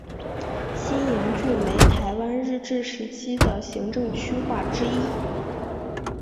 新营郡为台湾日治时期的行政区划之一。